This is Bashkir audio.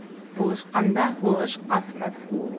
Булышҡанда һулыш ҡасмаҫ.